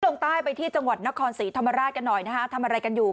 ลงใต้ไปที่จังหวัดนครศรีธรรมราชกันหน่อยนะฮะทำอะไรกันอยู่